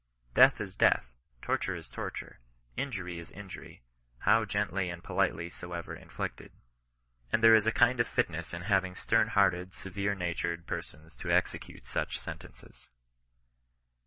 Death is death, torture is torture, injury is injury, how gently and politely soever inflicted. And there is a kind of fitness in having stem hearted, severe natured per sons to execute such sentences.